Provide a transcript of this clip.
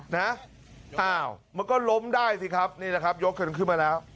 นะอ้าวมันก็ล้มได้สิครับนี่แหละครับยกกันขึ้นมาแล้ว